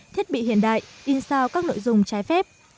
thiết bị hiện đại in sao các nội dung trái phép